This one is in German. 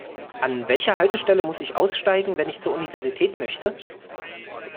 An welcher Haltestelle muss ich aussteigen, wenn ich zur Universität möchte?